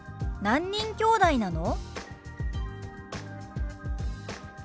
「何人きょうだいなの？」。